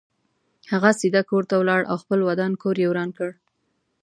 هغه سیده کور ته ولاړ او خپل ودان کور یې وران کړ.